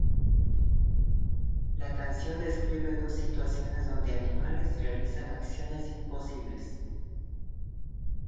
La canción describe dos situaciones donde animales realizan acciones imposibles.